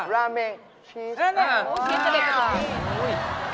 แรมเมงครับ